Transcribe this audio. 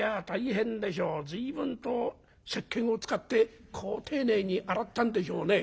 随分とせっけんを使ってこう丁寧に洗ったんでしょうね」。